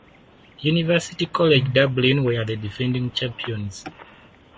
University College Dublin were the defending champions.